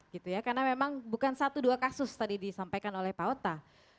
karena memang bukan satu dua kasus tadi disampaikan oleh pak otha